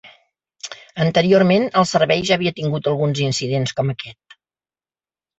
Anteriorment el servei ja havia tingut alguns incidents com aquest.